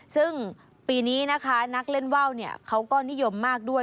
ซึ่งปีนี้นะคะนักเล่นว่าวเขาก็นิยมมากด้วย